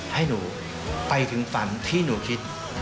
ให้หนูไปถึงฝันที่หนูคิด